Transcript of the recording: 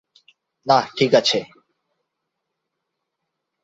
নাহ, ঠিক আছে।